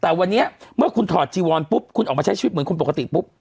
แต่วันนี้เมื่อคุณถอดจีวอนปุ๊บคุณออกมาใช้ชีวิตเหมือนคนปกติปุ๊บ